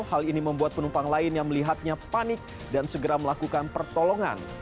hal ini membuat penumpang lain yang melihatnya panik dan segera melakukan pertolongan